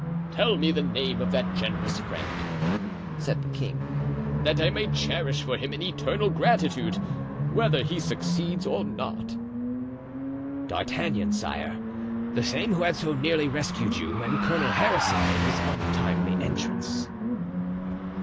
"Tell me the name of that generous friend," said the king, "that I may cherish for him an eternal gratitude, whether he succeeds or not." "D'Artagnan, sire, the same who had so nearly rescued you when Colonel Harrison made his untimely entrance."